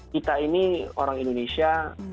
kita ini orang indonesia